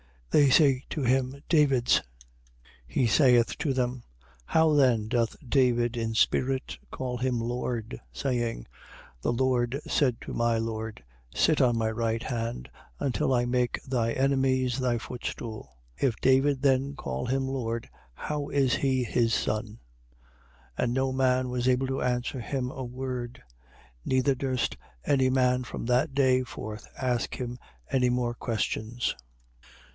They say to him: David's. 22:43. He saith to them: How then doth David in spirit call him Lord, saying: 22:44. The Lord said to my Lord: Sit on my right hand, until I make thy enemies thy footstool? 22:45. If David then call him Lord, how is he his son? 22:46. And no man was able to answer him a word: neither durst any man from that day forth ask him any more questions.